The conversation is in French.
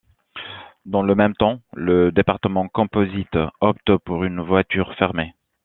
Dans le même temps, le département composites opte pour une voiture fermée.